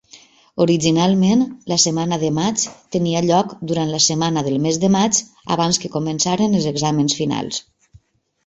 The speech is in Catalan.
Originalment, la setmana de maig tenia lloc durant la setmana del mes de maig abans que comencessin els exàmens finals.